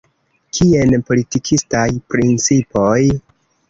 Kien politikistaj principoj?